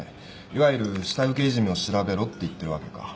いわゆる下請けいじめを調べろって言ってるわけか。